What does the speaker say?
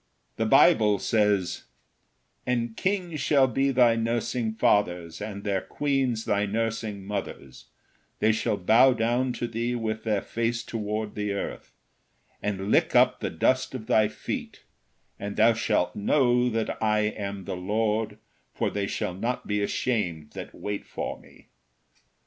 The Bible says: "And kings shall be thy nursing fathers, and their queens thy nursing mothers; they shall bow down to thee with their face toward the earth, and lick up the dust of thy feet, and thou shalt know that I am the Lord, for they shall not be ashamed that wait for me."